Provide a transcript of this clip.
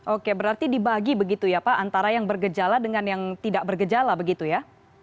oke berarti dibagi begitu ya pak antara yang bergejala dengan yang tidak bergejala begitu ya